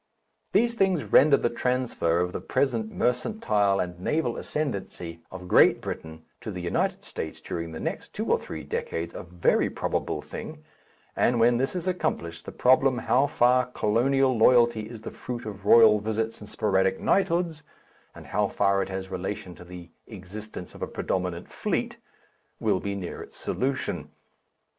These things render the transfer of the present mercantile and naval ascendency of Great Britain to the United States during the next two or three decades a very probable thing, and when this is accomplished the problem how far colonial loyalty is the fruit of Royal Visits and sporadic knighthoods, and how far it has relation to the existence of a predominant fleet, will be near its solution.